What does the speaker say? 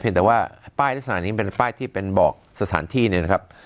แต่ว่าป้ายลักษณะนี้มันเป็นป้ายที่เป็นบอกสถานที่เนี่ยนะครับ